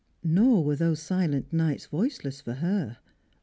Nor were those silent nights voiceless for her.